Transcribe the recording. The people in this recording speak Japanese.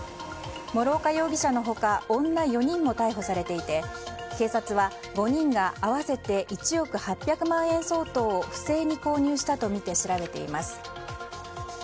諸岡容疑者の他女４人も逮捕されていて警察は５人が合わせて１億８００万円相当を不正に購入したとみて調べています。